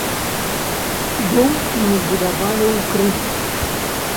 Дом мы будавалі ў крэдыт.